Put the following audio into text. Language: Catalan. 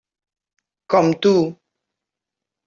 Com tu.